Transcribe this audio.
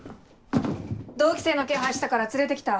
同期生の気配したから連れて来た。